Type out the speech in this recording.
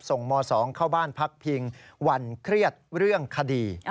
ม๒เข้าบ้านพักพิงวันเครียดเรื่องคดี